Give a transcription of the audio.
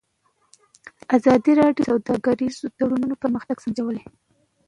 ازادي راډیو د سوداګریز تړونونه پرمختګ سنجولی.